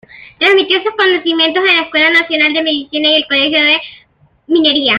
Transmitió sus conocimientos en la Escuela Nacional de Medicina y el Colegio de Minería.